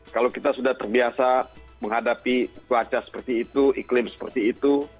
kalau kita sudah terbiasa menghadapi cuaca seperti itu iklim seperti itu